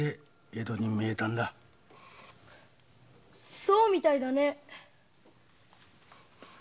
そうみたいだね。